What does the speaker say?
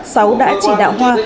sáu đã chỉ đạo hoa